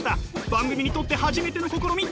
番組にとって初めての試み！